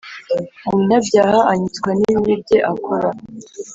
Umunyabyaha anyitswa n ibibi bye akora